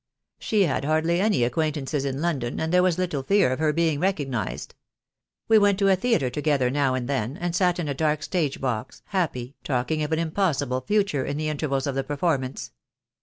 She had hardly any acquaintances in London, and there was little fear of her being recognized. We went The Dav mill come. II. I 2 1 94 THE DAY WILL COME. to a theatre together now and then, and sat in a dark stage box, happy, talking of an impossible future in the intervals of the performance.